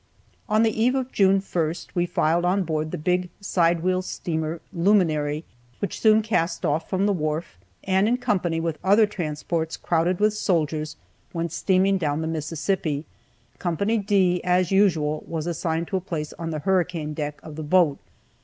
On the evening of June 1st we filed on board the big, side wheel steamer "Luminary," which soon cast off from the wharf, and in company with other transports crowded with soldiers, went steaming down the Mississippi. Co. D, as usual, was assigned to a place on the hurricane deck of the boat.